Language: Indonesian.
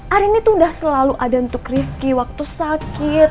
arin itu udah selalu ada untuk rifki waktu sakit